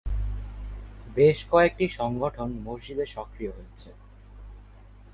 বেশ কয়েকটি সংগঠন মসজিদে সক্রিয় রয়েছে।